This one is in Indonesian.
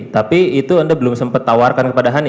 tapi itu anda belum sempat tawarkan kepada hani